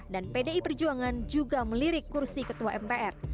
dan pdi perjuangan juga melirik kursi ketua mpr